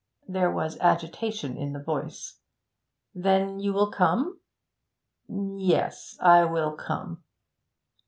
There was agitation in the voice. 'Then you will come?' 'Yes, I will come.'